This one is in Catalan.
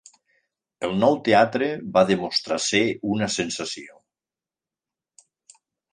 El nou teatre va demostrar ser una sensació.